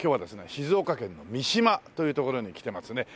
静岡県の三島という所に来てますね。